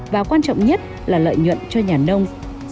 và quan trọng nhất là lợi nhuận cho nhà nông